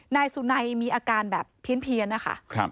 นายสุนัยมีอาการแบบเพี้ยนนะคะ